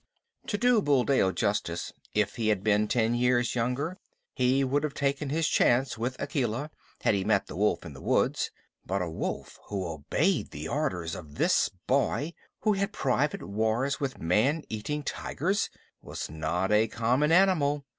To do Buldeo justice, if he had been ten years younger he would have taken his chance with Akela had he met the wolf in the woods, but a wolf who obeyed the orders of this boy who had private wars with man eating tigers was not a common animal.